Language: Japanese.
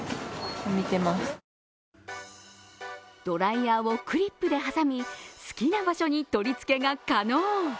ドライヤーをクリップで挟み、好きな場所に取り付けが可能。